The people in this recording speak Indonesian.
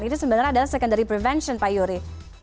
itu sebenarnya adalah secondary prevention pak yuri